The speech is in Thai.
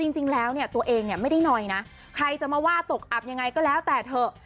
จริงแล้วเนี่ยตัวเองเนี่ยไม่ได้หน่อยนะใครจะมาว่าตกอับยังไงก็แล้วแต่เถอะ